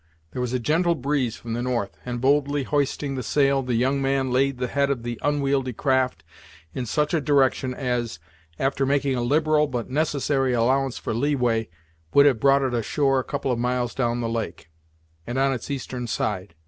There was a gentle breeze from the north, and boldly hoisting the sail, the young man laid the head of the unwieldy craft in such a direction, as, after making a liberal but necessary allowance for leeway, would have brought it ashore a couple of miles down the lake, and on its eastern side.